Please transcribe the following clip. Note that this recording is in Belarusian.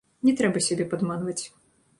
Не трэба сябе падманваць.